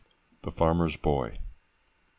THE FARMER'S BOY. [MR.